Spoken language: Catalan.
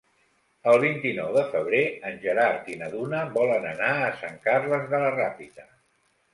El vint-i-nou de febrer en Gerard i na Duna volen anar a Sant Carles de la Ràpita.